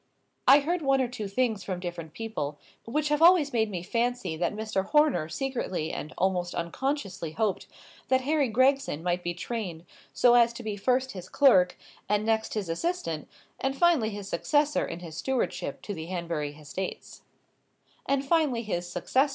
I heard one or two things from different people, which have always made me fancy that Mr. Horner secretly and almost unconsciously hoped that Harry Gregson might be trained so as to be first his clerk, and next his assistant, and finally his successor in his stewardship to the Hanbury estates.